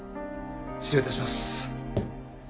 失礼いたします。